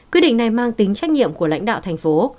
quyết định này mang tính trách nhiệm của lãnh đạo thành phố